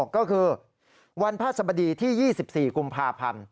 ก็คือวันพระศัพท์บที่๒๔กภพ